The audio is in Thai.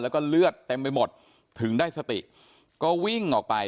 แล้วก็เลือดเต็มไปหมดถึงได้สติก็วิ่งออกไป